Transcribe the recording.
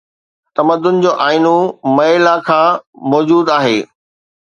تمدن جو آئينو مئي لا کان موجود آهي